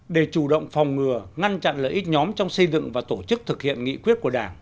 để chủ động phòng ngừa ngăn chặn lợi ích nhóm trong xây dựng và tổ chức thực hiện nghị quyết của đảng